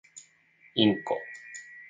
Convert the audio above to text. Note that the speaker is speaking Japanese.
インコ